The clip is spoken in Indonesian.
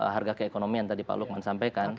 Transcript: harga keekonomi yang tadi pak lukman sampaikan